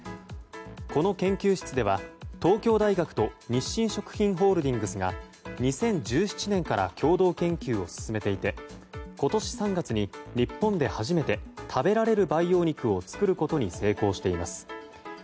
この研究室では東京大学と日清食品ホールディングスが２０１７年から共同研究を進めていて今年３月に、日本で初めて食べられる培養肉を作ることに成功しています。